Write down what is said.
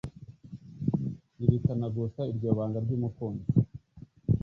Zirikana gusa iryo banga ry’umukunzi